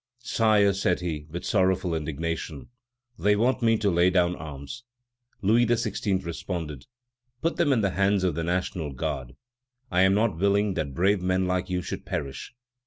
"Sire," said he, with sorrowful indignation, "they want me to lay down arms." Louis XVI. responded: "Put them in the hands of the National Guard; I am not willing that brave men like you should perish."